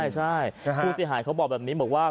ใช่ผู้เสียหายเขาบอกแบบนี้บอกว่า